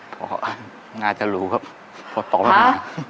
พ่ออาจจะรู้ครับพ่อตอบมาก